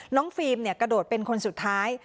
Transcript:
น้องฟีมเนี่ยกระโดดเป็นคนสุดท้าย